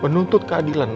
menuntut keadilan ma